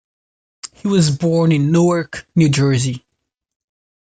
He was born in Newark, New Jersey.